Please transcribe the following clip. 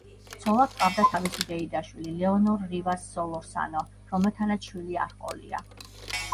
ცოლად ჰყავდა თავისი დეიდაშვილი ლეონორ რივას სოლორსანო, რომელთანაც შვილი არ ჰყოლია.